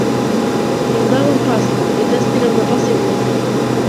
Им давам пас, ги тестирам на пасивност.